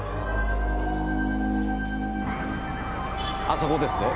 あそこですね？